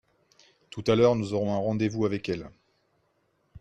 tout à l'heure nous aurons un rendez-vous avec elles.